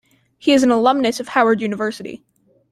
He is an alumnus of Howard University.